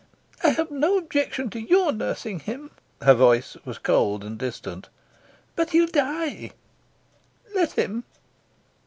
"I have no objection to your nursing him." Her voice was cold and distant. "But he'll die." "Let him."